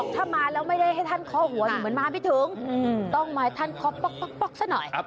ทำให้ท่านคอพักสิหน่อย